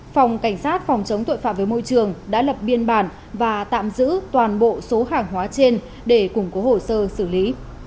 phòng cảnh sát phòng chống tội phạm với môi trường đã lập biên bản và tạm giữ toàn bộ số hàng hóa trên để củng cố hồ sơ xử lý